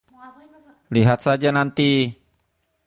Lihat saja nanti!